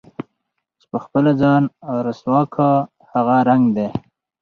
چې په خپله ځان رسوا كا هغه رنګ دے